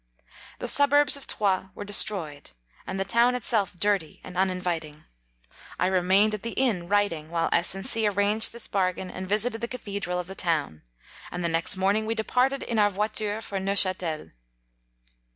The suburbs of Troyes were destroy ed, and the town itself dirty and unin viting. I remained at the inn writing, 27 while S and C arranged this bargain and visited the cathedral of the town ; and the next morning we de parted in our voiture for Neufch&tel.